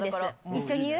一緒に言う？